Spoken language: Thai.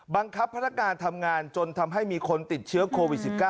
บังคับพลักการณ์ทำงานจนทำให้มีคนติดเชื้อโควิด๑๙